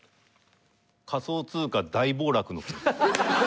仮想通貨大暴落のポーズ。